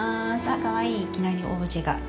あっ、かわいい、いきなりオブジェが。